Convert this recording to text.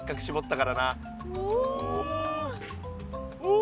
お！